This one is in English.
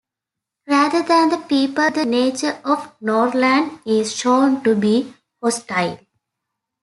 Rather than the people, the nature of Norrland is shown to be hostile.